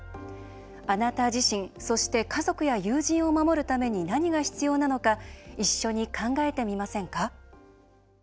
あなた自身、そして家族や友人を守るために何が必要なのか一緒に考えてみませんか。